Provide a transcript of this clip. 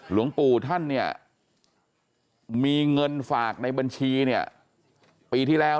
หลวงปู่ท่านเนี่ยมีเงินฝากในบัญชีเนี่ยปีที่แล้ว